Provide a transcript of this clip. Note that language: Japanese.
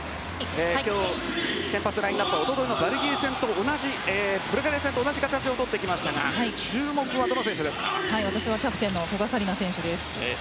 今日先発ラインアップは一昨日のブルガリア戦と同じ形をとってきましたが私はキャプテンの古賀紗理那選手です。